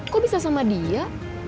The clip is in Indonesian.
kok bisa sama dia